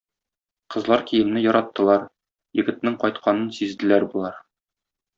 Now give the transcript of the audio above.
Кызлар киемне яраттылар, егетнең кайтканын сизделәр болар.